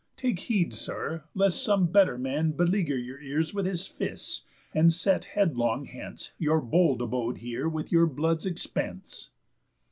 Take heed, Sir, lest some better man beleager Your ears with his fists, and set headlong hence Your bold abode here with your blood's expence."